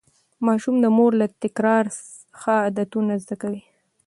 ماشوم د مور له تکرار ښه عادتونه زده کوي.